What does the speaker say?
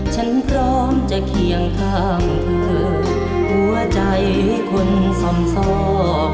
ฉันพร้อมจะเคียงข้างเธอหัวใจคนส่อมซ่อ